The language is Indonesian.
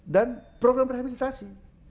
dan program rehabilitasi